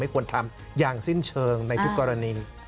ควรทำอย่างสิ้นเชิงในทุกกรณี